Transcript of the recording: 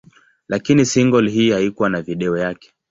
Lakini single hii haikuwa na video yake.